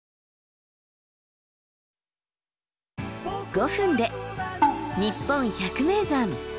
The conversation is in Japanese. ５分で「にっぽん百名山」。